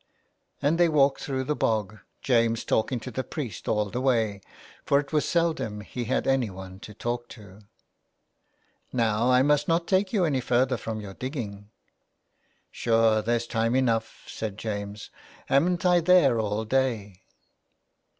" And they walked through the bog, James talking to the priest all the way, for it was seldom he had anyone to talk to. '' Now I must not take you any further from your digging.'! " Sure there's time enough," said James, " amn't I there all day."